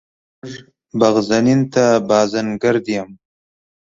موږ بغزنین ته بازنګردیم.